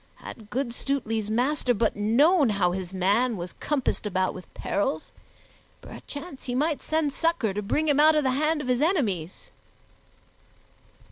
Had good Stutely's master but known how his man was compassed about with perils, perchance he might send succor to bring him out of the hand of his enemies.